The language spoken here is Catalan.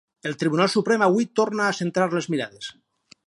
El Tribunal Suprem avui torna a centrar les mirades.